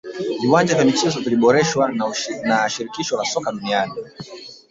viwanja vya michezo viliboreshwa na shirikisho la soka duniani